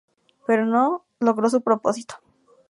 Pero no logró su propósito.